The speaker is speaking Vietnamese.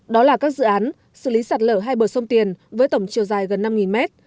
đó là các dự án xử lý sạt lở hai bờ sông tiền với tổng chiều dài gần năm mét